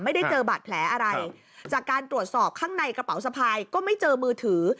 ไม่ได้เจอบาดแผลอะไรจากการตรวจสอบข้างในกระเป๋าสะพายก็ไม่เจอมือถือ